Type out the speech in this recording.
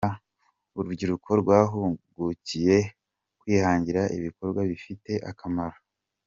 Urubyiruko rwahugukiye kwihangira ibikorwa bifite akamaro.